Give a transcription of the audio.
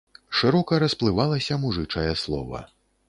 Шырока расплывалася мужычае слова.